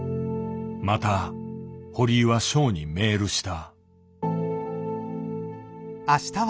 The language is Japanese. また堀井はショウにメールした。